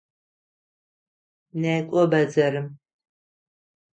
Некӏо бэдзэрым!